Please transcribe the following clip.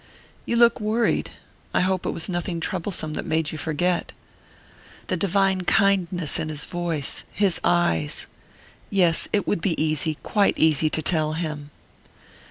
"You look worried I hope it was nothing troublesome that made you forget?" The divine kindness in his voice, his eyes! Yes it would be easy, quite easy, to tell him....